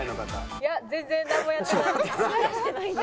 いや全然なんもやってないです。